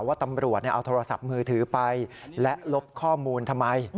ว่าตำรวจเอาโทรศัพท์มือถือไปและลบข้อมูลทำไม